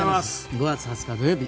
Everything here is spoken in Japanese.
５月２０日土曜日